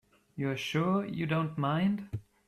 You're sure you don't mind?